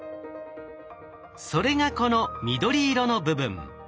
それがこの緑色の部分。